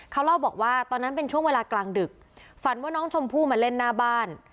เขาเล่าบอกว่าตอนนั้นเป็นช่วงเวลากลางดึกฝันว่าน้องชมพู่มาเล่นหน้าบ้าน